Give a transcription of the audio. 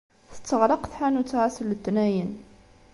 Tetteɣlaq tḥanut-a ass n letnayen.